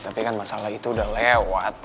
tapi kan masalah itu udah lewat